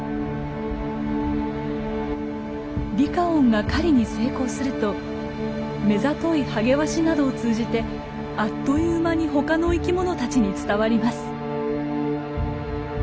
リカオンが狩りに成功すると目ざといハゲワシなどを通じてあっという間に他の生きものたちに伝わります。